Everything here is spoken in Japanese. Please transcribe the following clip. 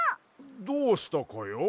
どうしたかや？